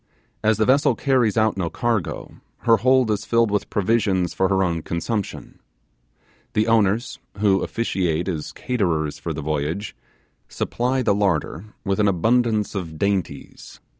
As the vessel carries out no cargo, her hold is filled with provisions for her own consumption. The owners, who officiate as caterers for the voyage, supply the larder with an abundance of dainties.